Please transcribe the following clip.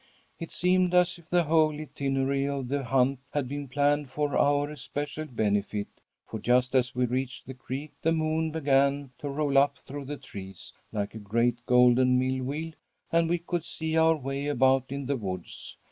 "It seemed as if the whole itinerary of the hunt had been planned for our especial benefit, for just as we reached the creek the moon began to roll up through the trees like a great golden mill wheel, and we could see our way about in the woods.